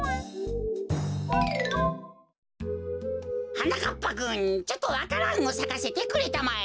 はなかっぱくんちょっとわか蘭をさかせてくれたまえ。